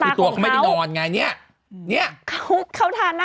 ดวงตาคล้ำหมายจึงดวงตาของเขา